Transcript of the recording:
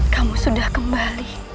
kamu sudah kembali